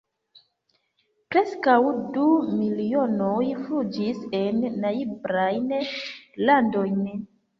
Preskaŭ du milionoj fuĝis en najbarajn landojn.